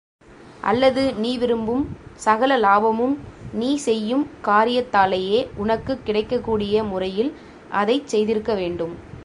அல்லது நீ விரும்பும் சகல லாபமும் நீ செய்யும் காரியத்தாலேயே உனக்குக் கிடைக்கக்கூடிய முறையில் அதைச் செய்திருக்க வேண்டும்.